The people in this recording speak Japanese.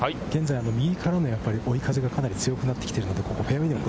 現在、右からの追い風がかなり強くなっている。